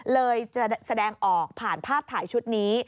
เลยจะแสดงออกผ่านภาพถ่ายชุดนี้